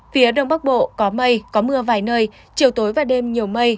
phía đông bắc bộ có mây có mưa vài nơi chiều tối và đêm nhiều mây